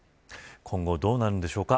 今後、どうなるのでしょうか。